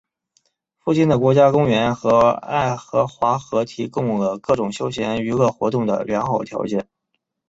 附近的国家公园和爱荷华河提供了各种休闲娱乐活动的良好条件。